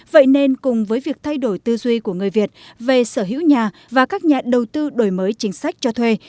vậy nên cùng với việc thay đổi tư duy của người việt về sở hữu nhà và các nhà đầu tư đổi mới chính sách cho thuê